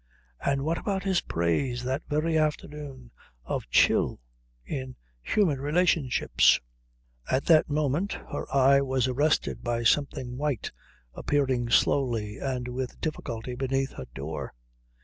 And what about his praise, that very afternoon, of chill in human relationships? At that moment her eye was arrested by something white appearing slowly and with difficulty beneath her door.